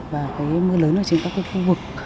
và mưa lớn trên các khu vực